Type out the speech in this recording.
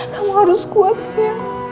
kamu harus kuat sayang